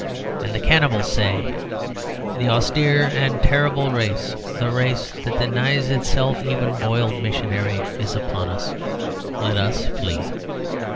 And the cannibals say, "The austere and terrible race, the race that denies itself even boiled missionary, is upon us: let us flee."